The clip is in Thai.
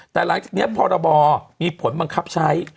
แต่หลังจากนี้พรบมีผลบังคับใช้